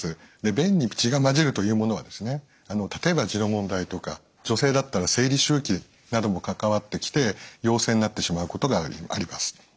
便に血が混じるというものは例えば痔の問題とか女性だったら生理周期なども関わってきて陽性になってしまうことがあります。